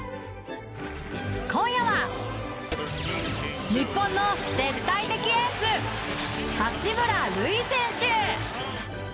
今夜は日本の絶対的エース八村塁選手！